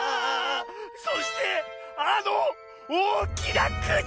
そしてあのおおきなくち！